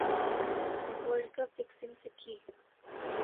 world cup fixing سکی